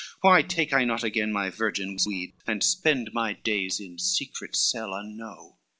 Why take I not again my virgin's weed, And spend my days in secret cell unknow?"